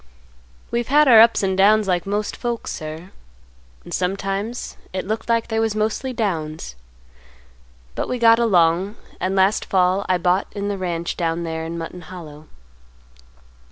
"We've had our ups and downs like most folks, sir, and sometimes it looked like they was mostly downs; but we got along, and last fall I bought in the ranch down there in the Hollow.